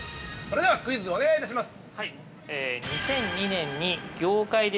それでは、クイズお願いいたします。